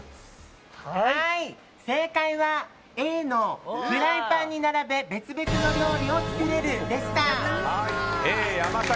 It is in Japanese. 正解はＡのフライパンに並べ別々の料理を作れるでした。